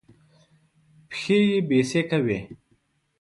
پښې يې بېسېکه وې.